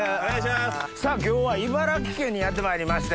さぁ今日は茨城県にやってまいりまして。